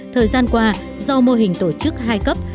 thời gian qua do mô hình tổ chức hai cấp